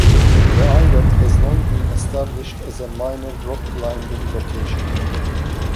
The island has long been established as a minor rock-climbing location.